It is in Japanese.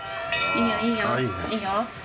いいよ、いいよ。